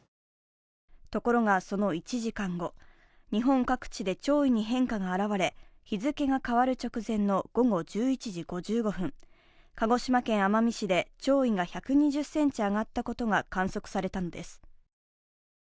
ところが、その１時間後、日本各地で潮位に変化が現れ、日付が変わる直前の午後１１時５５分、鹿児島県奄美市で潮位が１２０ｃｍ上がったことが観測されたのです。